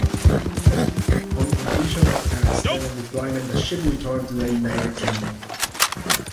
On completion of her extended deployment the ship returned to the United Kingdom.